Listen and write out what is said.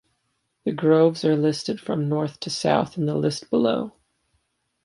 The groves are listed from north to south in the list below.